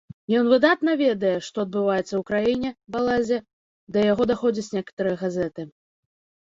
Ён выдатна ведае, што адбываецца ў краіне, балазе, да яго даходзяць некаторыя газеты.